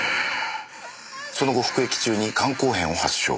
その後服役中に肝硬変を発症。